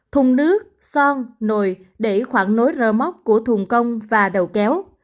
thùng nước son nồi để khoảng nối rơ móc của thùng công và đầu kéo